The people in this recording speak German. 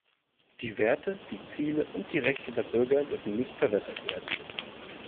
Die Werte, die Ziele und die Rechte der Bürger dürfen nicht verwässert werden.